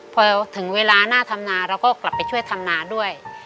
พอถึงเวลาหน้าทำนาเราก็กลับไปช่วยทำนาด้วย